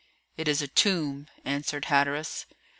"It is a tomb," answered Hatteras.